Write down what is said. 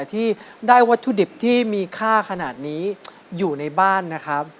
ที่ได้วัตถุดิบที่มีค่าขนาดนี้อยู่ในบ้านนะครับ